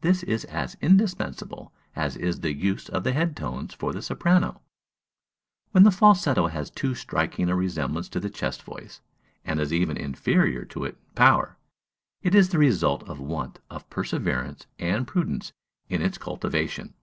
This is as indispensable as is the use of the head tones for the soprano. When the falsetto has too striking a resemblance to the chest voice, and is even inferior to it in power, it is the result of want of perseverance and prudence in its cultivation.